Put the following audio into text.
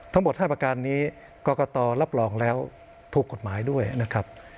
ทั้งหมด๕ประการนี้กรกตรับรองแล้วถูกกฎหมายด้วยนะครับ